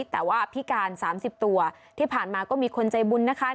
แต่ว่าพิการ๓๐ตัวที่ผ่านมาก็มีคนใจบุญนะคะ